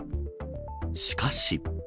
しかし。